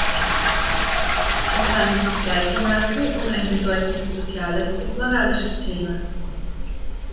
Es handelt sich gleichermaßen um ein bedeutendes soziales und moralisches Thema.